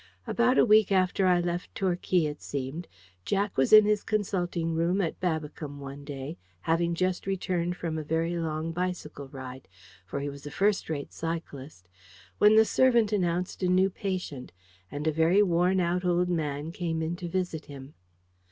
About a week after I left Torquay, it seemed, Jack was in his consulting room at Babbicombe one day, having just returned from a very long bicycle ride for he was a first rate cyclist, when the servant announced a new patient; and a very worn out old man came in to visit him.